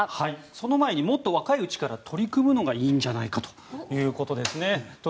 その前にもっと若いうちから取り組むのがいいんじゃないかということです。